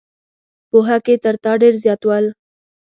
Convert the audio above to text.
پوهه کې تر تا ډېر زیات ول.